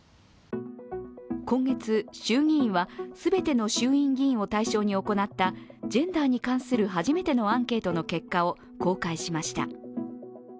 今月、衆議院は全ての衆院議員を対象に行ったジェンダーに関する初めてのアンケートの結果を公開しました。